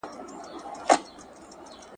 زده کړې نجونې د ګډو کارونو تنظيم پياوړی کوي.